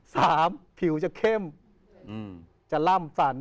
สามผิวจะเข้มจะล่ำสั่น